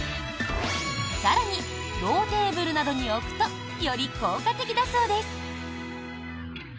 更に、ローテーブルなどに置くとより効果的だそうです。